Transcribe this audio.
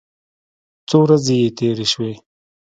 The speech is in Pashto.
څو ورځې چې تېرې سوې.